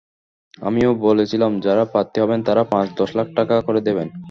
আমিও বলেছিলাম, যাঁরা প্রার্থী হবেন তাঁরা পাঁচ-দশ লাখ টাকা করে দেবেন।